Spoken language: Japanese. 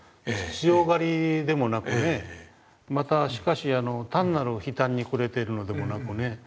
強がりでもなくねまたしかし単なる悲嘆に暮れてるのでもなくね。